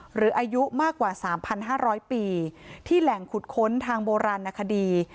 หรืออายุมากกว่าสามพันห้าร้อยปีที่แหล่งขุดค้นทางโบราณนักคดี